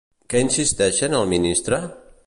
Què insisteixen al ministre?